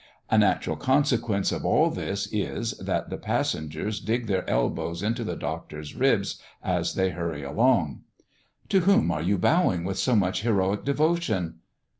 A natural consequence of all this is, that the passengers dig their elbows into the Doctor's ribs, as they hurry along. "To whom are you bowing with so much heroic devotion?"